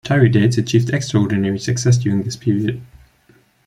Tiridates achieved extraordinary success during this period.